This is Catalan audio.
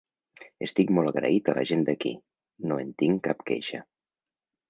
Estic molt agraït a la gent d’aquí, no en tinc cap queixa.